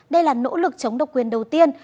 đây là nỗ lực chống độc quyền đầu tiên